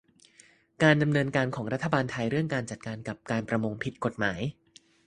การดำเนินการของรัฐบาลไทยเรื่องการจัดการกับการประมงผิดกฎหมาย